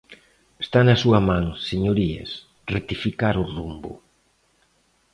Está na súa man, señorías, rectificar o rumbo.